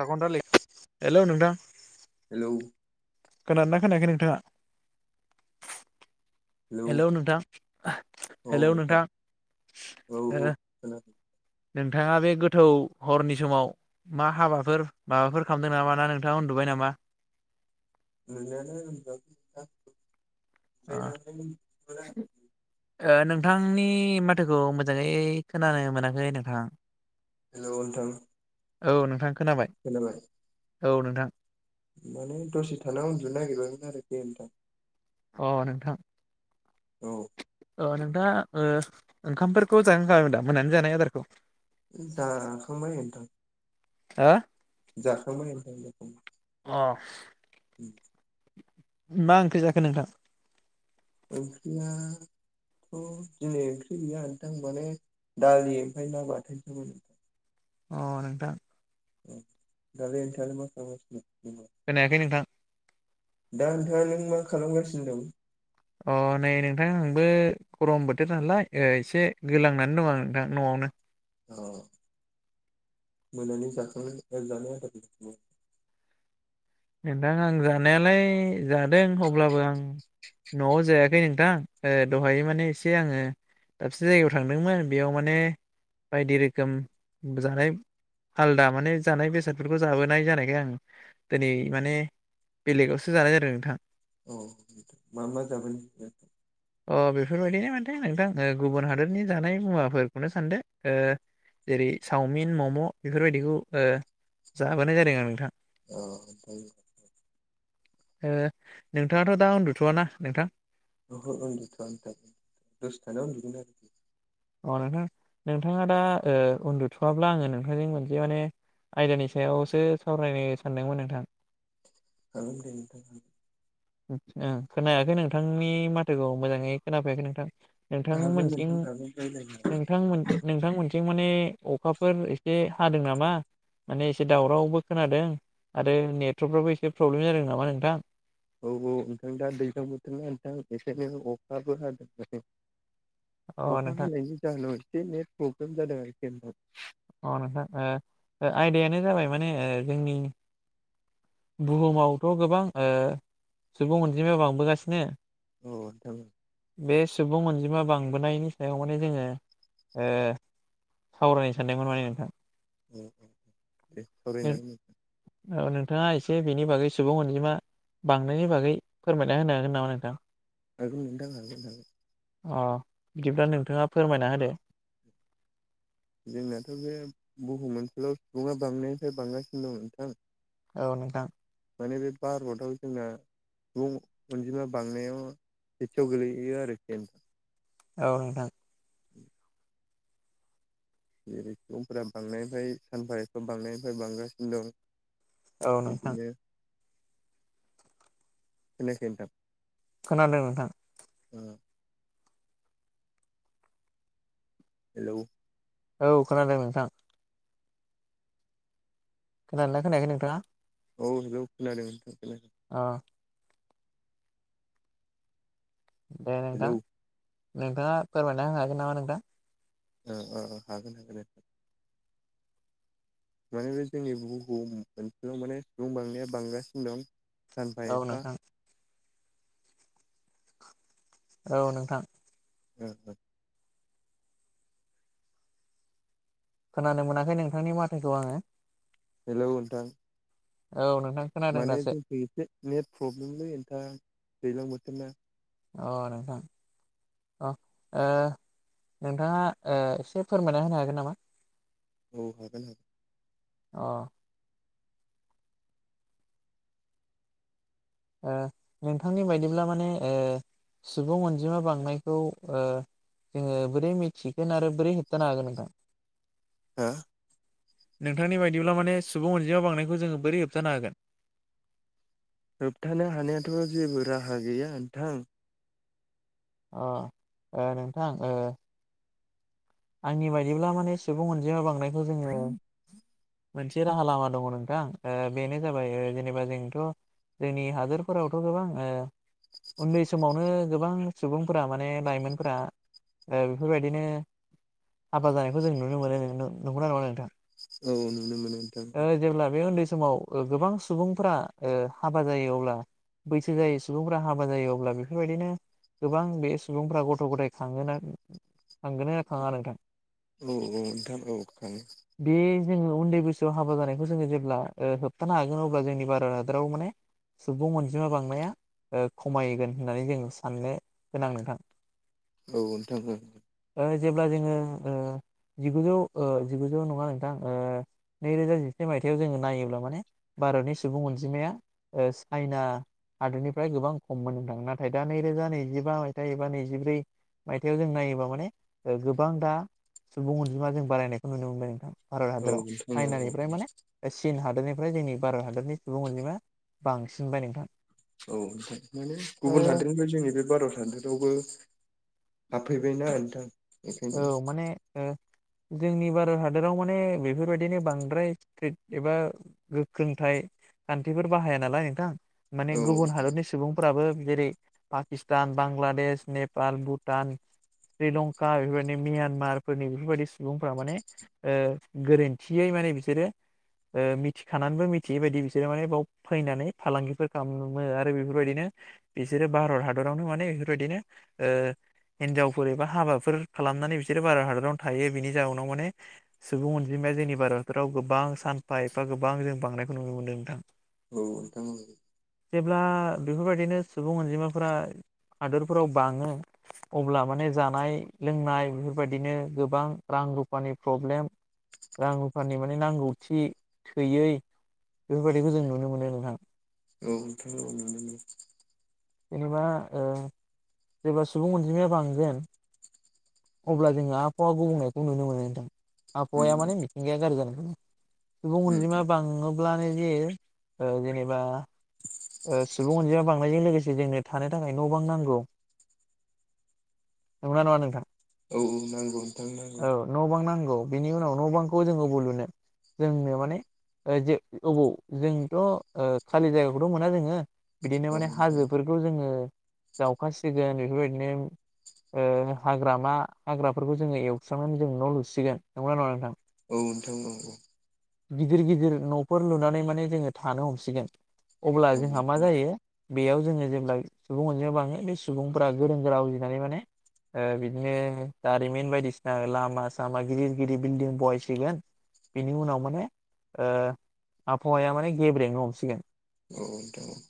साखन्था [unintelligible] हेल' नोंथां हेलौ खोनादोंना खोनायाखै नोंथाङा हेलौ नोंथां हेलौ नोंथां औ ओ औ [inaudible] नोंथाङा बे गोथौ हरनि समाव मा हाबाफोर माबाफोर खालामदों नामा ना नोंथाङा उन्दुबाय ना मा [inaudible] ओ नोंथांनि माथोखौ मोजाङै खोनानो मोनाखै नोंथां हेल' नोंथां औ नोंथां खोनाबाय औ नोंथां माने दसे थानायाव उन्दुनो नागिरबायमोन आरो दे नोंथां [inaudible] अ नोंथां औ अ नोंथा ओ ओंखामफोरखौ जाह [unintelligible] खायोन दा मोनानि जानाय आदारखौ जाखांबाय नोंथां हा जाखांबाय नोंथां जाखांबाय अ मा ओंख्रि जाखो नोंथां? ओंख्रिया थ' दिनै ओंख्रि गैया नोंथां माने दालि ओमफ्राय ना बाथोनसोमोन नोंथां अ नोंथां अ दालाय नोंथाङा मा खालामगासिनो दङ [inaudible] खोनायाखै नोंथां दा नोंथाङा नों मा खालामगासिनो दं? अ नै नोंथां बै आंबो गरम बोथोर नालाय ओ एसे गोलांनानै दं आं नोंथां न'आवनो अ [inaudible] मोनानि जाखां जानाय आदार नोंथां आं जानायालाय जादों अब्लाबो आं न'आव जायाखै नोंथां दहाय माने एसे आङो दाबसे जायगायाव थांदोंमोन बेयाव माने बायदि रोखोम जानाय आलदा माने जानाय बेसादफोरखौ जाबोनाय जानायखाय आं दिनै माने बेलेगावसो जानाय जादों नोंथां औ मा मा जाबो [unintelligible] अ बेफोरबायदिनो माथे नोंथां गुबुन हादरनि जानाय मुवाफोरखौनो सानदो ओ जेरै सावमिन मम' बेफोरबायदिखौ ओ जाबोनाय जादों आरो नोंथां औ ओमफ्राय ओ नोंथाङाथ' दा उन्दुथ'वा ना नोंथां ओहो उन्दुथ'आ नोंथां दसे थाना उन्दुगोन आं अ नोंथां नोंथाङा दा ओ उन्दुथ'आब्ला आङो नोंथांजों मोनसे माने आयदानि सायावसो सावरायनो सानदोंमोन नोंथां जागोन दे नोंथां ओं खोनायाखै नोंथांनि माथोखौ मोजाङै खोनाफैयाखै नोंथां हागोन नोंथांमोनथिं नोंथां हागोन रायलायनो हागोन नोंथांमोन नोंथांमोनथिं माने अखाफोर एसे हादों नामा माने एसे दावरावबो खोनादों आरो नेटवर्कफ्राबो एसे प्रब्लेम जादों नामा नोंथां औ औ नोंथां दा दैज्लां बोथोरना नोंथां एखायनो अखाबो हादों नै अ अखा नोंथां हानायनि जाहोनाव एसे नेट प्रब्लेम जादों आरोखि आंनाव अ नोंथां ओ आयदायानो जाबाय माने ओ जोंनि बुहुमावथ' गोबां ओ सुबुं अनजिमाया बांबोगासिनो औ नोंथां बे सुबुं अन जिमा बांबोनायनि सायाव माने जोङो ओ सावरायनो सानदोंमोन माने नोंथां अ दे सावरायना होनि औ नोंथाङा एसे बेनि बागै सुबुं अनजिमा बांनायनि बागै फोरमायना होनो हागोन नामा नोंथां हागोन नोंथां हागोन हागोन अ बिदिब्ला नोंथाङा फोरमायना होदो जोंनाथ' बे बुहुम ओनसोलाव सुबुङा बांनायनिफ्राय बांगासिनो दं नोंथां औ नोंथां माने बे भारताव जोंना सुबुं अनजिमा बांनायाव सेथियाव गोलैहैयो आरोखि औ नोंथां [inaudible] जेरै सुबुंफोरा बांनायनिफ्राय सानफा एफा बांनायनिफ्राय बांगासिनो दं औ नोंथां बिदिनो खोनायाखै नोंथां खोनादों नोंथां ओम हेलौ औ खोनादों नोंथां खोनादोंना खोनायाखै नोंथाङा औ हेलौ खोनादों नोंथां खोनादों अ दे नोंथां हेलौ नोंथाङा फोरमायना होनो हागोन नामा नोंथां ओ ओ हागोन हागोन दे माने बे जोंनि बुहुमखौ ओसोलाव माने सुबुं बांनाया बांगासिनो दं सानफा औ एफा नोंथां औ नोंथां ओ ओ खोनानो मोनाखै नोंथांनि माथोखौ आङो हेल' नोंथां औ नोंथां खोनादों माने दासो जोंखै एसे नेट प्रब्लेमलै नोंथां दैज्लां बोथोरना अ नोंथां अ ओ नोंथाङा ओ एसे फोरमायना होनो हागोन नामा औ हागोन अ ओ नोंथांनि बायदिब्ला माने ओ सुबुं अनजिमा बांनायखौ ओ जोङो बोरै मिथिगोन आरो बोरै होबथानो हागोन नोंथां हा? नोंथांनि बायदिब्ला माने सुबुं अनजिमा बांनायखौ जोङो बोरै होबथानो हागोन? होबथानो हानायाथ' जेबो राहा गैया नोंथां अ ओ नोंथां ओ आंनि बायदिब्ला माने सुबुं अनजिमा बांनायखौ जोङो मोनसे राहा लामा दङ नोंथां ओ बेनो जाबाय जेनेबा जोंथ' जोंनि हादोरफोरावथ' गोबां ओ उन्दै समावनो गोबां सुबुंफोरा माने लाइमोनफोरा ओ बेफोर बायदिनो हाबा जानायखौ जों नुनो मोनो नों नंगौना नङा नोंथां? औ नुनो मोनो नोंथां ओ जेब्ला बे उन्दै समाव गोबां सुबुंफोरा ओ हाबा जायो अब्ला बैसो जायै सुबुंफ्रा हाबा जायो अब्ला बेफोरबायदिनो गोबां बे सुबुंफ्रा गथ' गथाय खङोना खाङोना खाङा नोंथां औ औ नोंथां औ खाङो बे जोङो उन्दै बैसोआव हाबा जानायखौ जोङो जेब्ला ओ होबथानो हागोन अब्ला जोंनि भारत हादराव माने सुबुं अनजिमा बांनाया ओ खमायगोन होननानै जों साननो गोनां नोंथां औ नोंथां ओं ओ जेब्ला जोङोओ जिगुजौ जिगुजौ नङा नोंथां ओ नैरोजा जिसेनि मायथाइयाव जोङो नायोब्ला माने भारतनि सुबुं अनजिमाया ओ चाइना हादोरनिफ्राय गोबां खममोन नोंथां नाथाय दा नैरोजा नैजिबा मायथाइ एबा नैजिब्रै मायथाइयाव जों नायोबा माने गोबां दा सुबुं अनजिमा जों बारायनायखौ नुनो मोनबाय नोंथां भारत औ हादराव नोंथां औ औ चाइनानिफ्राय माने चिन हादरनि ओमफ्राय जोंनि भारत हादरनि सुबुं अनजिमा बांसिनबाय नोंथां औ माने ओ गुबुन हादोरनिफ्राय जोंनि बे भारत हादोरावबो हाबफैबायना नोंथां बेखायनो औ माने ओ जोंनि भारत हादराव माने बेफोरबायदिनो बांद्राय स्ट्रिट एबा गोख्रोंथाइ खान्थिफोर बाहाया नालाय नोंथां माने औ गुबुन हादरनि सुबुंफोराबो जेरै पाकिस्तान बांलादेश नेपाल भुटान श्रीलंका कार बेफोरबायदि म्यानमारफोरनि बेफोरबायदि सुबुंफोरा माने ओ गोरोन्थियै माने बिसोरो ओ मिथिखानानैबो मिथियै बायदि बिसोरो माने बाव फैनानै फालांगिफोर खालामो आरो बेफोरबायदिनो बिसोरो भारत हादरावनो माने बेफोरबायदिनो ओ हिनजावफोर एबा हाबा फोर खालामनानै बिसोरो भारत हादरावनो थायो बिनि जउनाव माने सुबुं अनजिमाया जोंनि भारत हादराव गोबां गोबां सानफा एफा गोबां जों बांनायखौ नुनो मोनदों नोंथां औ नोंथां औ जेब्ला बेफोरबायदिनो सुबुं अनजिमाफ्रा हादोरफोराव बाङो अब्ला माने जानाय लोंनाय बेफोर बायदिनो गोबां रां रुफानि प्रब्लेम रां रुफानिनि माने नांगौथि थोयै बेफोरबायदिखौ जों नुनो मोनो नोंथां। औथ' अनानैनो जेनेबा जेबा सुबुं अनजिमाया बांगोन अब्ला जोङो आबहावा गुबुंनायखौ नुनो मोनो नथां उम आबहावाया माने मिथिंगाया गाज्रि जानानै सुबुं अनजिमा बाङोब्लानो जे जेनेबा सुबुं अनजिमा बांनायजों लोगोसे जोंनो थानो थाखाय न' बां नांगौ नंगौ ना नङा नोंथां औ औ नांगौ नोंथांनो नांगौ औ बेनि उनाव न' बांखौ जोङो अबावलुनो जोंनो माने जे अबाव जोंथ' खालि जायगा थ' मोना जोङो बिदिनो औ माने नोंथां हाजोफोरखौ जोङो जावखासिगोन बेफोरबायदिनो ओ हाग्रा मा हाग्राफोरखौ जोङो एवस्रांनानै जोंङो न' लुसिगोन नंना नङा नोंथां औ नोंथां औ गिदिर गिदिर न'फोर लुनानै माने जोङो थानो हमसिगोन अब्ला औ जोंहा मा नोंथां औ नोंथां जायो बेयाव जोङो जेब्ला सुबुं अनजिमायाव बङो बे सुबुंफ्रा गोरों गोरा उजिनानै माने बिदिनो जारिमिन बायदिसिना लामा सामा गिदिर गिदिर बिल्डिं बहायसिगोन। बिनि उनाव माने ओ आबहावाया माने गेब्रेंनो हमसिगोन। औ नोंथां औ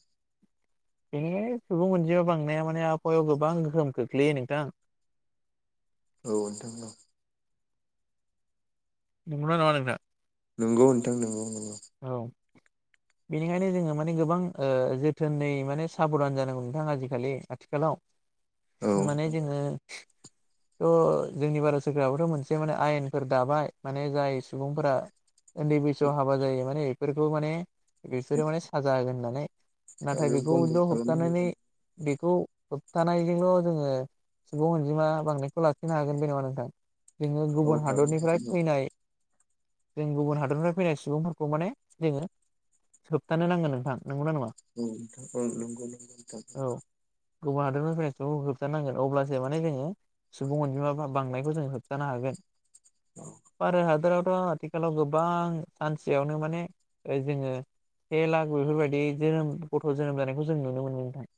बिदिनो सुबुं अनजिमा बांनाया माने आबहावायाव गोबां गोहोम खोख्लैयो नोंथां। [inaudible] औ नोंथां औ नंगौना नङा नोंथां नंगौ नोंथां नंगौ नंगौ औ बेनिखायनो जोङो माने गोबां ओ जोथोनै माने साबधान जानांगौ नोंथां आजिखालि आथिखालाव औ माने नोंथां जोङो थ' जोंनि भारत सोरखाराबोथ' मोनसे माने आयेनफोर दाबाय माने जाय सुबुंफोरा उन्दै बैसोआव हाबा जायो माने बेफोरखौ माने बिसोरो माने साजा होगोन होननानै नाथाय आरो बेखौ बन्द' ज' होबथानानै खालामनांगोन बेखौ थानायजोंल' जोङो सुबुं अनजिमा बांनायखौ लाखिनो हागोन बे नङा नोंथां जोङो औ गुबुन हागोन हादरनिफ्राय नोंथां औ फैनाय जों गुबुन हादरनिफ्राय फैनाय सुबुं खौ माने जोङो होबथानो नांगोन नोंथां नंगौना नङा औ नंगौ नोंथां [unintelligible] औ गुबुन हादरनिफ्राय ज' होबथानांगोन अब्लासो माने जोङो सुबुं अनजिमा बांनायखौ जोंङो होबथानो हागोन। औ भारत हादरावथ' आथिखालाव गोबां सान सेयावनो माने जोङो से लाख बेफोरबायदि जोनोम गथ' जोनोम जानायखौ जों नुनो मोनो नोंथां।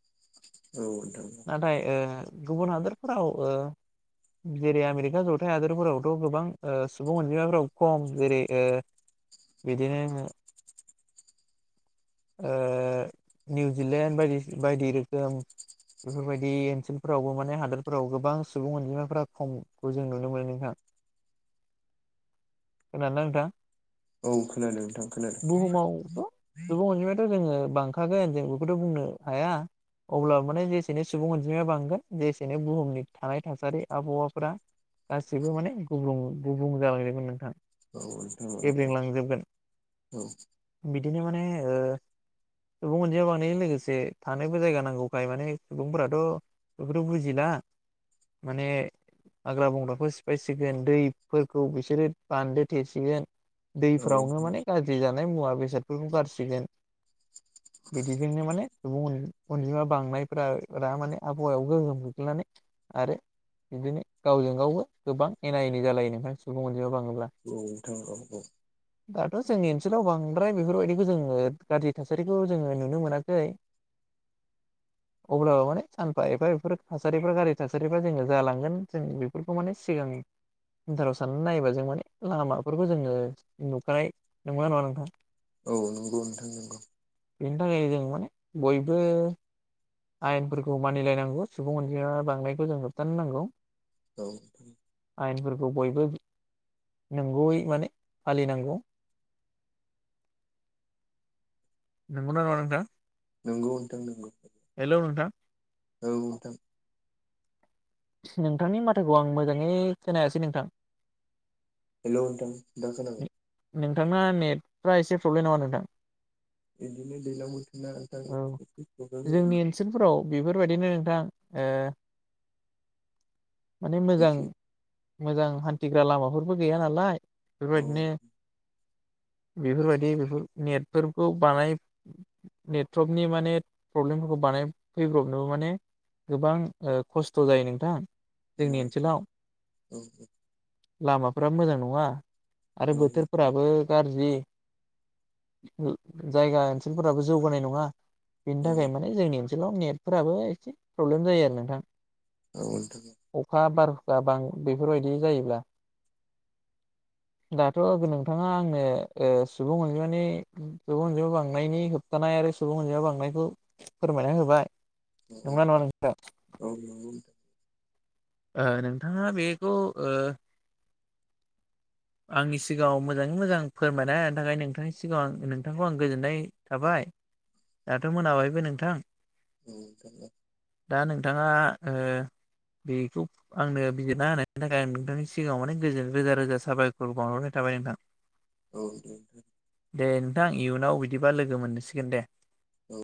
औ नोंथां नाथाय ओ गुबुन हादरफोरावबो जेरै आमेरिका जथाय हादोरफोरावथ' गोबां सुबुं अनजिमाफोराव खम जेरै ओ बिदिनो ओ निउजिलेण्डदि बायदि रोखोम बेफोरबायदि ओनसोलफोरावबो माने हादोरफोराव गोबां सुबुं अनजिमाफ्रा खमखौ जों नुनो मोनो नोंथां खोनादों ना नोंथां औ खोनादों नोंथां खोनादों बुहुमावथ' सुबुं अनजिमायाथ' जोङो बांखागोन जों बेखौथ' बुंनो हाया। अब्ला माने जेसेनो सुबुं अनजिमाया बांगोन जेसेनो बुहुमनि थानाय थासारि आबहावाफोरा गासिबो माने गुबुं गुबुं जालांदोंमोन नोंथां औ नोंथां औ औ गेब्रेंलांजोबगोन औ बिदिनो माने ओ सुबुं अनजिया बानायजों लोगोसे थानोबो जायगा नांगौखाय माने सुबुंफोराथ' बेखौथ' बुजिला माने हाग्रा बंग्राफोर सिफायसिगोन दैफोरखौ बिसोरो बान्दो थेसिगोन औ दैफोरावनो माने गाज्रि जानाय मुवा बेसादफोरखौ गारसिगोन बिदिजोंनो माने सुबुं अनजिमा बांनायफोरा माने आबहावायाव गोहोम खोख्लैनानै आरो बिदिनो गावजों गावबो गोबां एना एनि जालायो ओंखाय सुबुं अनजिमा बांदों। औ नोंथां औ औ थ' जोंनि ओनसोलाव बांद्राय बेफोरबायदिखौ जों ओ गाज्रि थासारिखौ जोङो नुनो मोनाखै अब्लाबो माने सानफा एफा एफोर थासारिफ्रा गारि थासारिफ्रा जोङो जालांगोन जों बेफोरखौ माने सिगां थाराव साननानै नायोबा जों माने लामाफोरखौ जोङो नुखानाय नंगौना नङा नोंथां? औ नंगौ नोंथां नंगौ बेनि थाखायनो जों माने बयबो आयेनफोरखौ मानिलायनांगौ सुबुं अनजिमाया बांनायखौ जों होबथानो नांगौ औ आयेन फोरखौ बयबो नोंगौयै माने फालिनांगौ नोंगौना नङा नोंथां? नोंगौ नोंथां नोंगौ हेलौ नोंथां औ नोंथां नोंथांनि माथोखौ आं मोजाङै खोनायासै नोंथां हेलौ नोंथां दा खोनाबाय? नोंथांना नेटफ्रा एसे प्रब्लेम नामा नोंथां? बिदिनो दैलां बोथोरना ओंखायनो औ [unintelligible] होदों जोंनि ओनसोलफोराव बेफोरबायदिनो नोंथां ओ माने मोजां एसे मोजां हान्थिग्रा लामाफोरबो गैया नालाय औ बेफोरबायदिनो बेफोरबायदि बेफोर नेटफोरखौ बानाय नेटट्रर्कनि माने प्रब्लेमफोरखौ बानाय फैब्रबनोबो माने गोबां ओ खस्थ' जायो नोंथां जोंनि ओनसोलाव औ औ लामाफोरा मोजां नङा आरो औ बोथोरफोराबो गारजि जायगा ओनसोलफोराबो जौगानाय नङा बेनि औ नोंथां थाखाय माने जोंनि ओनसोलाव नेटफोराबो एसे प्रब्लेम जायो आरो नोंथां औ औ नोंथां बा बां बेफोरबायदि जायोब्ला दाथ' नोंथाङा आंनो ओ सुबुं अनजिमानि सुबुं अनिमा बांनायनि होब थानाय आरो सुबुं अनजिया बांनायखौ फोरमायना होबाय नंगौना नङा औ नंगौ ओ नोंथाङा बेखौ ओ आंनि सिगाङाव मोजाङै मोजां फोरमायना होनायनि थाखाय नोंथांनि सिगाङाव आं नोंथांखौ आं गोजोननाय थाबाय। दाथ' मोनाबायबो नोंथां औ [unintelligible] दा नोंथाङा ओ बेखौ आंनो बिजिरना होनायनि थाखाय आं नोंथांनि सिगाङाव माने गोजोन रोजा रोजा साबाय खर बावहरबाय थाबाय नोंथां। औ दे दे दे नोंथां इयुनाव बिदिबा लोगो मोननोसिगोन दे। औ